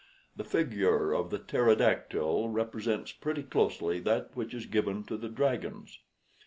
The figure of the pterodactyl represents pretty closely that which is given to the dragons.